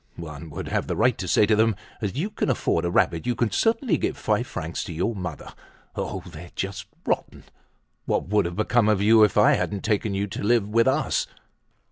One would have the right to say to them: 'As you can afford a rabbit you can certainly give five francs to your mother!' Oh! they're just rotten! What would have become of you if I hadn't taken you to live with us?"